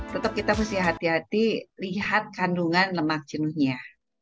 tetap kita mesti hati hati lihat kandungan lemak jenuhnya